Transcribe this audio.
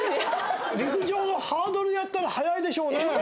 陸上のハードルやったら速いでしょうね。